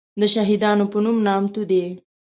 دشهیدانو په نوم نامتو دی.